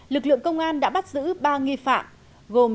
lực lượng công an đã bắt giữ ba nghi phạm gồm